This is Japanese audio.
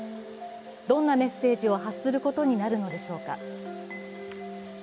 どんなメッセージを発することになるのでしょうか。